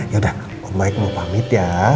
ya udah baik mau pamit ya